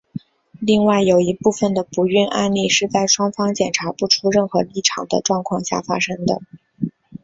另外有一部分的不孕案例是在双方检查不出任何异常的状况下发生。